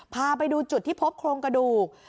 พาไปดูจุดที่พบโครงกระดูก